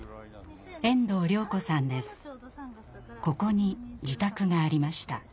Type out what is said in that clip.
ここに自宅がありました。